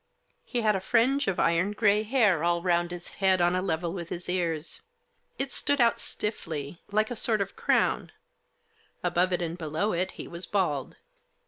He had a fringe of iron grey hair all round his head on a level with his ears. It stood out stiffly, like a sort of crown. Above and below it he was bald.